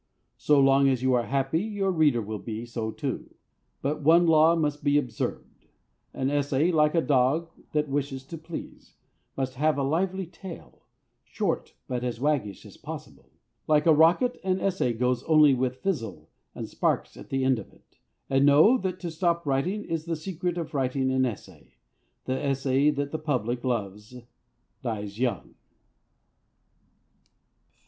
So long as you are happy your reader will be so too. But one law must be observed: an essay, like a dog that wishes to please, must have a lively tail, short but as waggish as possible. Like a rocket, an essay goes only with fizzle and sparks at the end of it. And, know, that to stop writing is the secret of writing an essay; the essay that the public loves dies young.